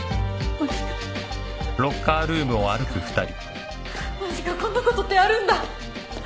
マジかマジかこんなことってあるんだ！